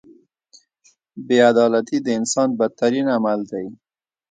• بې عدالتي د انسان بدترین عمل دی.